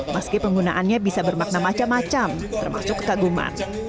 meski penggunaannya bisa bermakna macam macam termasuk kekaguman